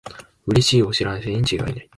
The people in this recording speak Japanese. うれしいお知らせにちがいない